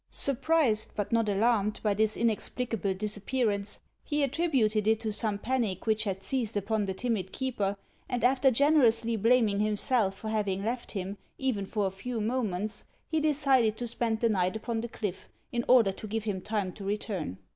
Surprised but not alarmed by this in explicable disappearance, he attributed it to some panic which had seized upon the timid keeper, and after gen erously blaming himself for having left him, even for a few moments, he decided to spend the night upon the cliff, in order to give him time to return.